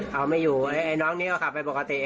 เอาไม่อยู่ไอ้น้องนี้ก็ขับไปปกติ